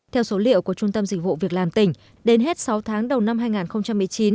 theo số liệu của trung tâm dịch vụ việc làm tỉnh đến hết sáu tháng đầu năm hai nghìn một mươi chín